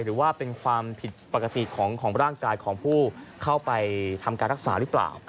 หรือว่าเป็นความผิดปกติของร่างกายของผู้เข้าไปทำการรักษาหรือเปล่า